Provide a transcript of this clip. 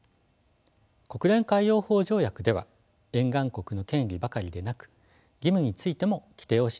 国連海洋法条約では沿岸国の権利ばかりでなく義務についても規定をしています。